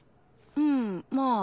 うんまあ。